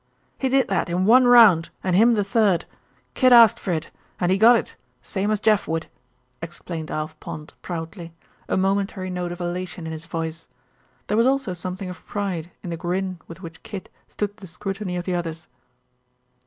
"He did that in one round, and him the third. Kid asked for it, and he got it, same as Jeff would," explained Alf Pond proudly, a momentary note of elation in his voice. There was also something of pride in the grin with which Kid stood the scrutiny of the others.